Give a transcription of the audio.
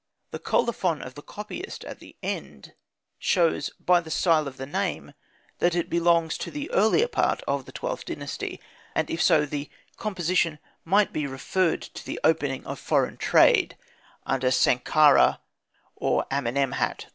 The colophon of the copyist at the end shows by the style of the name that it belongs to the earlier part of the XIIth Dynasty, and if so, the composition might be referred to the opening of foreign trade under Sankhkara or Amenemhat I.